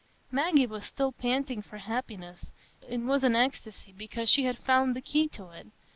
Maggie was still panting for happiness, and was in ecstasy because she had found the key to it.